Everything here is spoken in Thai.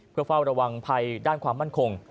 เพื่อเฝ้าระวังภัยด้านความมั่นคง